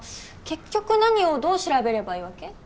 結局何をどう調べればいいわけ？